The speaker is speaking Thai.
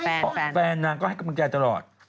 เพราะแฟนนางก็ให้กำลังใจตลอด